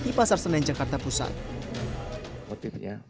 di pasar senen jakarta pusat